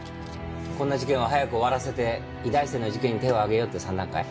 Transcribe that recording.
こんな事件は早く終わらせて医大生の事件に手を挙げようって算段かい？